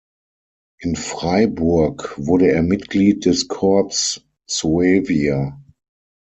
In Freiburg wurde er Mitglied des Corps Suevia.